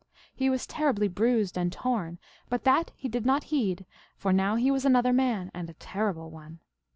" He was terribly bruised and torn, but that he did not heed, for now he was another man, and a terrible one.